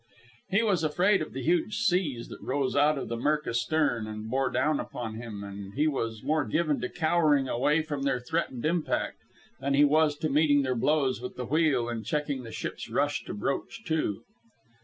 He was afraid of the huge seas that rose out of the murk astern and bore down upon him, and he was more given to cowering away from their threatened impact than he was to meeting their blows with the wheel and checking the ship's rush to broach to.